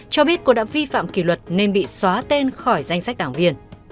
cho biết cô đã vi phạm kỷ luật nên bị xóa tên khỏi danh sách đảng viên